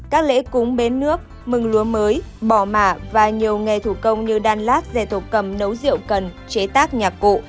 các lễ cúng bến nước mừng lúa mới bò mả và nhiều nghề thủ công như đan lát dề thổ cầm nấu rượu cần chế tác nhạc cụ